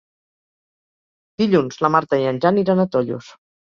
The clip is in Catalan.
Dilluns na Marta i en Jan iran a Tollos.